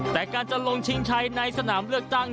แต่การจะลงชิงชัยในสนามเลือกตั้ง